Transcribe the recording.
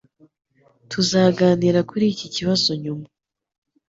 Tuzaganira kuri iki kibazo nyuma